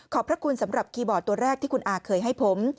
พระคุณสำหรับคีย์บอร์ดตัวแรกที่คุณอาเคยให้ผม